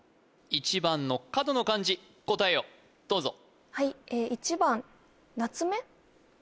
１番の角の漢字答えをどうぞはいえ